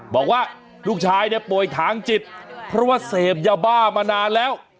บอกว่าลูกชายเนี่ยป่วยทางจิตเพราะว่าเสพยาบ้ามานานแล้ว